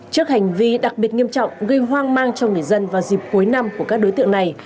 trước hành vi đặc biệt nghiêm trọng gây hoang mang cho người dân vào dịp cuối năm của các đối tượng này